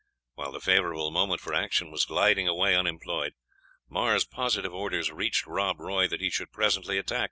While the favourable moment for action was gliding away unemployed, Mar's positive orders reached Rob Roy that he should presently attack.